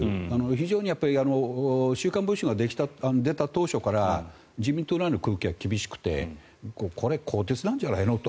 非常に「週刊文春」が出た当初から自民党内の空気は厳しくてこれ、更迭なんじゃないの？